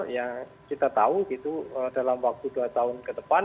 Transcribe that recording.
yang kita tahu gitu dalam waktu dua tahun ke depan